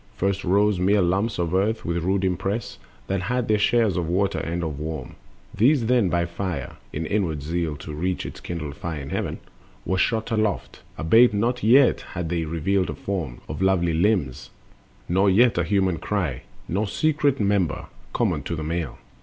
First rose mere lumps of earth with rude impress, That had their shares of Water and of Warm. These then by Fire (in upward zeal to reach Its kindred Fire in heaven) were shot aloft, Albeit not yet had they revealed a form Of lovely limbs, nor yet a human cry, Nor secret member, common to the male.